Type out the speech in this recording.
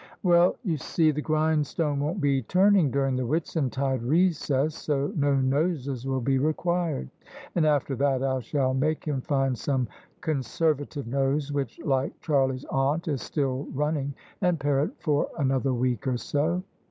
"" Well, you see, the grindstone won't be turning during the Whitsuntide recess, so no noses will be required: and after that I shall make him find some Conservative nose which — ^like Charlie's Aunt — is ' still running,' and pair it for another week or so."